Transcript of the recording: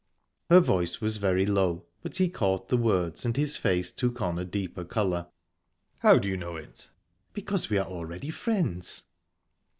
Her voice was very low, but he caught the words, and his face took on a deeper colour. "How do you know it?" "Because we are already friends."